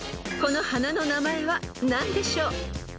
［この花の名前は何でしょう？］